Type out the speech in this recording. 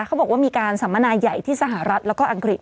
เขาบอกว่ามีการสัมมนาใหญ่ที่สหรัฐแล้วก็อังกฤษ